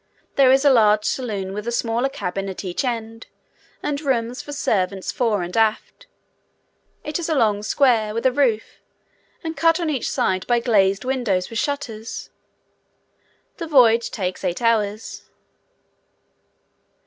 There is a large saloon with a smaller cabin at each end, and rooms for servants fore and aft. It is a long square with a roof, and cut on each side by glazed windows with shutters. The voyage takes eight hours.